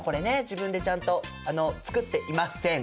自分でちゃんと作っていません。